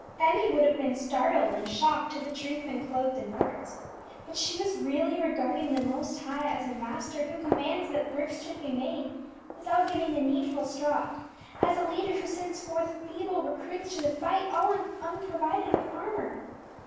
Emmie would have been startled and shocked had the truth been clothed in words, but she was really regarding the Most High as a Master who commands that bricks should be made without giving the needful straw, as a Leader who sends forth feeble recruits to the fight all unprovided with armour.